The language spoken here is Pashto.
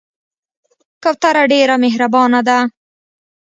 کوتره ډېر مهربانه ده.